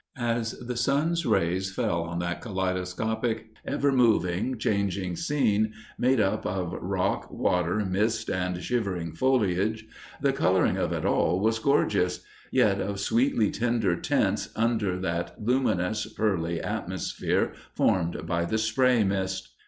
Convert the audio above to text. "As the sun's rays fell on that kaleidoscopic, ever moving, changing scene, made up of rock, water, mist, and shivering foliage, the coloring of it all was gorgeous, yet of sweetly tender tints under that luminous, pearly atmosphere formed by the spray mist.